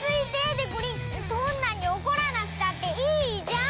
そんなにおこらなくたっていいじゃん。